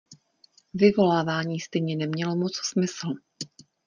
Vyvolávání stejně nemělo moc smysl.